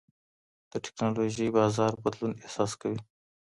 د ټېکنالوژۍ بازار بدلون احساس کوي.